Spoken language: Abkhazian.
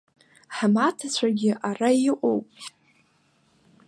Ҳмаҭацәагьы ара иҟоуп.